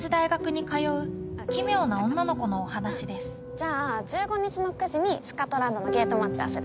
じゃあ１５日の９時にスカトランドのゲート待ち合わせで。